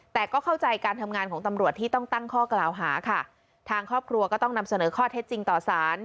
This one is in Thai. แต่ก็เข้าใจการทำงานของตำรวจที่ต้องตั้งข้อกล่าวหาค่ะทางครอบครัวก็ต้องนำเสนอข้อเท็จจริงต่อสาร